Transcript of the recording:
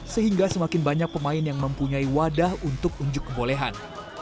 sehingga semakin banyak pemain yang mempunyai wadah untuk unjuk kebolehan